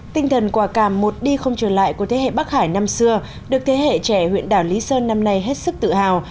tinh thần quả cảm một đi không trở lại của thế hệ bắc hải năm xưa được thế hệ trẻ huyện đảo lý sơn năm nay hết sức tự hào